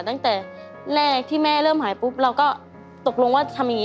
ตั้งแต่แรกที่แม่เริ่มหายปุ๊บเราก็ตกลงว่าทำอย่างนี้